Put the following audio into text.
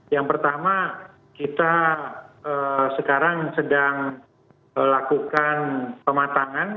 yang pertama kita sekarang sedang lakukan pematangan